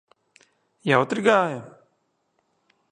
Jautri gāja?